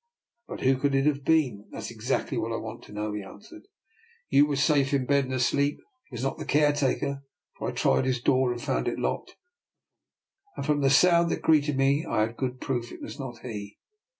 " But who could it have been? "" That's exactly what I want to know," he answered. You were safe in bed and asleep. It was not the caretaker, for I tried his door and found it locked, and from the sound that greeted me I had good proof it was not he."